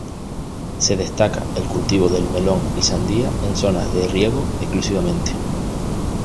Se destaca el cultivo del melón y sandía en zonas de riego exclusivamente.